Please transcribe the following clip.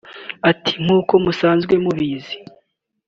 Ati “ Nk’uko musanzwe mubizi